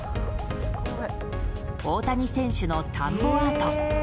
大谷選手の田んぼアート。